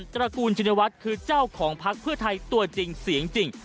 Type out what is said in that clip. ตระกูลชินวัฒน์คือเจ้าของพักเพื่อไทยตัวจริงเสียงจริง